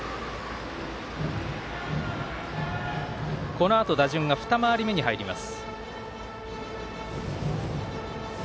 このあと打順が２回り目に入ります。